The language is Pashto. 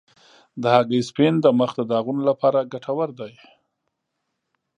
د هګۍ سپین د مخ د داغونو لپاره ګټور دی.